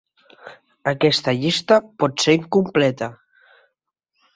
Aquesta llista pot ser incompleta.